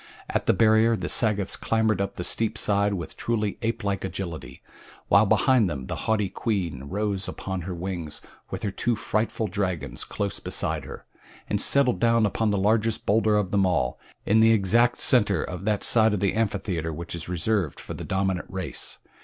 At the barrier the Sagoths clambered up the steep side with truly apelike agility, while behind them the haughty queen rose upon her wings with her two frightful dragons close beside her, and settled down upon the largest bowlder of them all in the exact center of that side of the amphitheater which is reserved for the dominant race.